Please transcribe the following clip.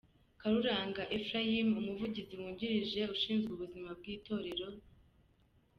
Karuranga Ephraim; Umuvugizi Wungirije Ushinzwe Ubuzima bw’Itorero, Rev.